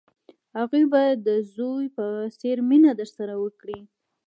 هغوی به د زوی په څېر مینه درسره وکړي.